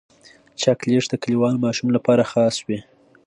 چاکلېټ د کلیوال ماشوم لپاره خاص وي.